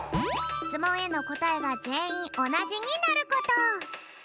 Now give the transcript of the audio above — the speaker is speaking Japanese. しつもんへのこたえがぜんいんおなじになること。